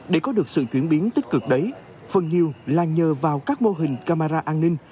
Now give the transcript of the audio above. để có được sự chuyển biến tích cực đấy phần nhiều là nhờ vào các mô hình camera an ninh